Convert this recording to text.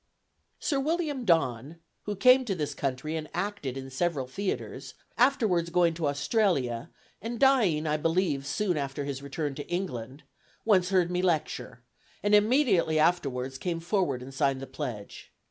Sir William Don who came to this country and acted in several theatres, afterwards going to Australia, and dying, I believe, soon after his return to England once heard me lecture, and immediately afterwards came forward and signed the pledge.